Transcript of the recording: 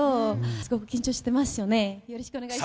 すごく緊張してますので。